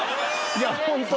いやホント。